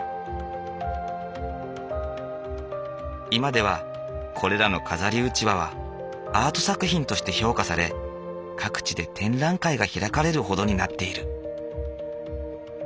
今ではこれらの飾りうちわはアート作品として評価され各地で展覧会が開かれるほどになっている。